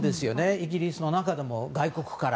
イギリスの中でも、外国から。